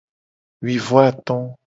Wi vo ato.